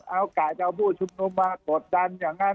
เอาโอกาสการปฏิบัติมากดตั้ง